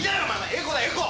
エコだエコ！